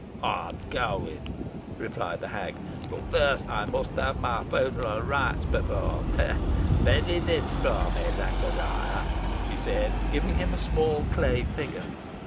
"I'm going," replied the hag, "but first I must have my funeral rites performed ha! ha! Bury this for me, Zachariah," she said, giving him a small clay figure.